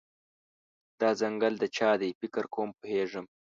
دا ځنګل د چا دی، فکر کوم پوهیږم